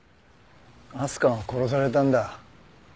明日香が殺されたんだ。